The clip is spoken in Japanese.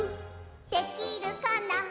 「できるかな」